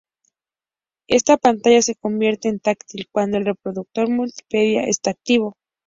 Esta pantalla se convierte en táctil cuando el reproductor multimedia está activo.